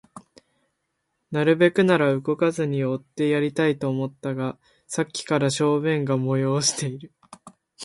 なるべくなら動かずにおってやりたいと思ったが、さっきから小便が催している